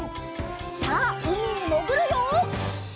さあうみにもぐるよ！